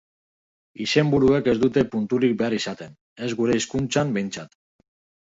Izenburuek ez dute punturik behar izaten, ez gure hizkuntzan behintzat.